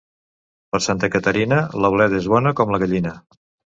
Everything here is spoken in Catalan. Per Santa Caterina la bleda és bona com la gallina.